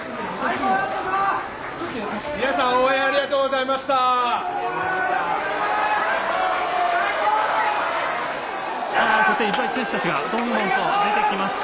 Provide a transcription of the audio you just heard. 皆さん、応援ありがとうございました。